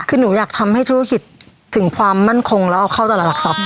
คือหนูอยากทำให้ธุรกิจถึงความมั่นคงแล้วเอาเข้าตลาดหลักทรัพย์